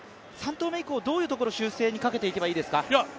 ３投目以降、どういうところを修正にかけていけばいいですか？